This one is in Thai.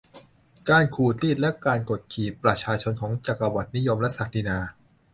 การขูดรีดและการกดขี่ประชาชนของจักรวรรดินิยมและศักดินา